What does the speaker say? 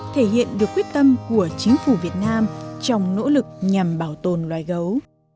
thể hiện được quyết tâm của chính phủ việt nam trong nỗ lực nhân dân